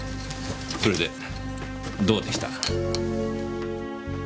それでどうでした？